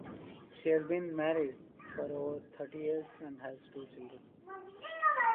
She has been married for over thirty years and has two children.